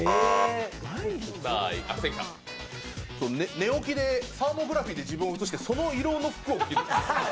寝起きでサーモグラフィーで自分を映してその色の服を着る。